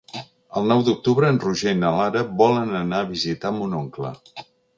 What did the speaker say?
El nou d'octubre en Roger i na Lara volen anar a visitar mon oncle.